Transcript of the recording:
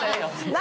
何？